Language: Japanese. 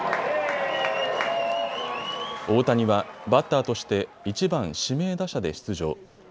大谷はバッターとして１番・指名打者で出場。